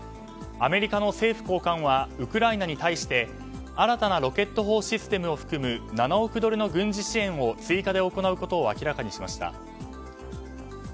アメリカの政府高官はウクライナに対して新たなロケット砲システムを含む７億ドルの軍事支援を追加で行うことを明らかにしました。